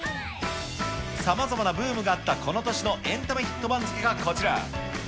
さまざまなブームがあったこの年のエンタメヒット番付がこちら。